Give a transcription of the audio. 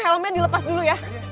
helmen dilepas dulu ya